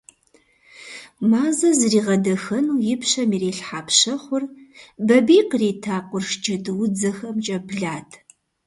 Мазэ зригъэдэхэну и пщэм ирилъхьа пщэхъур Бабий кърита къурш джэдуудзэхэмкӀэ блат.